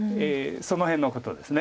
その辺のことです。